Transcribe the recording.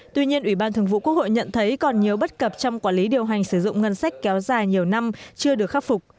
tuy nhiên ủy ban thường vụ quốc hội nhận thấy còn nhiều bất cập trong quản lý điều hành sử dụng ngân sách kéo dài nhiều năm chưa được khắc phục